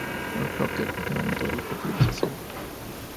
Los Rockets ganaron todos los partidos de esa serie.